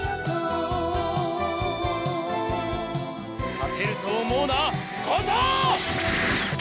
勝てると思うな、小僧！